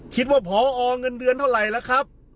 ว่าพอเงินเดือนเท่าไหร่ล่ะครับ